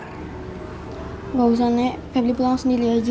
enggak usah nek pebri pulang sendiri aja